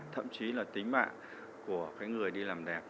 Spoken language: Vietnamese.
thậm chí là tính mạng của người đi làm đẹp